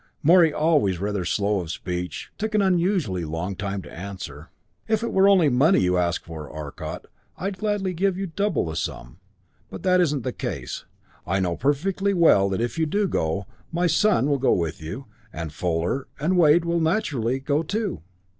Morey, always rather slow of speech, took an unusually long time to answer. "If it were only money you asked for, Arcot, I'd gladly give you double the sum, but that isn't the case. I know perfectly well that if you do go, my son will go with you, and Fuller and Wade will naturally go too."